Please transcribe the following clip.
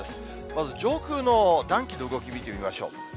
まず上空の暖気の動き見てみましょう。